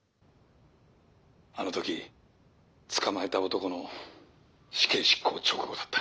あの時捕まえた男の死刑執行直後だった。